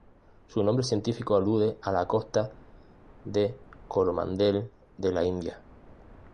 Su nombre científico alude a la costa de Coromandel de la India.